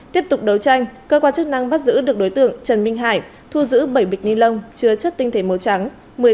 tiếp tục đấu tranh cơ quan chức năng bắt giữ được đối tượng trần minh hải thu giữ bảy bịch ni lông chứa chất tinh thể màu trắng một mươi viên nén màu xanh